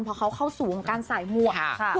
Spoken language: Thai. พอเขาเข้าสู่วงการสายหมวก